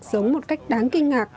giống một cách đáng kinh ngạc